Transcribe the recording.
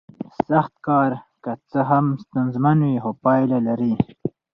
سخت کار که څه هم ستونزمن وي خو پایله لري